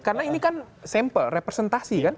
karena ini kan sampel representasi kan